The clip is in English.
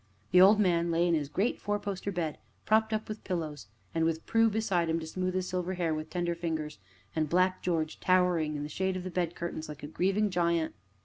The old man lay in his great four post bed, propped up with pillows, and with Prue beside him, to smooth his silver hair with tender fingers, and Black George towering in the shade of the bed curtains, like a grieving giant.